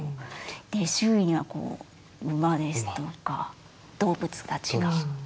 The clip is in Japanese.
周囲には馬ですとか動物たちが一緒にいると。